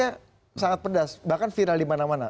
ketika sangat pedas bahkan virali mana mana